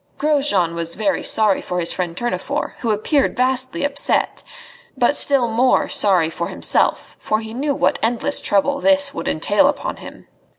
Grosjean was very sorry for his friend Tournefort, who appeared vastly upset, but still more sorry for himself, for he knew what endless trouble this would entail upon him.